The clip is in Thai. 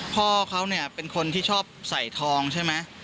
พ่อเขาเนี่ยเป็นคนที่ชอบใส่ทองใช่ไหม